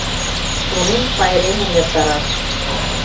Шонен пайремым эртараш: